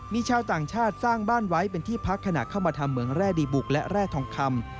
มีชาวต่างชาติสร้างบ้านไว้เป็นที่พักขณะเข้ามาทำเหมืองแร่ดีบุกและแร่ทองคำ